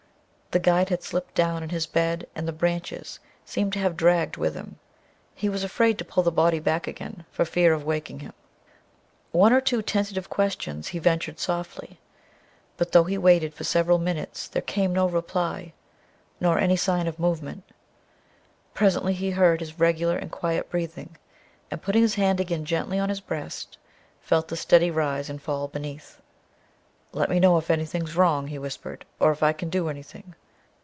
The guide had slipped down in his bed, and the branches seemed to have been dragged with him. He was afraid to pull the body back again, for fear of waking him. One or two tentative questions he ventured softly, but though he waited for several minutes there came no reply, nor any sign of movement. Presently he heard his regular and quiet breathing, and putting his hand again gently on the breast, felt the steady rise and fall beneath. "Let me know if anything's wrong," he whispered, "or if I can do anything.